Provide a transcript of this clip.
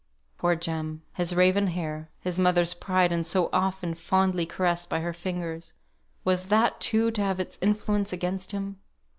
Poor Jem! His raven hair (his mother's pride, and so often fondly caressed by her fingers), was that too to have its influence against him?